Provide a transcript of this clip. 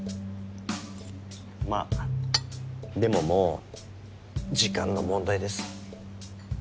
まあでももう時間の問題です。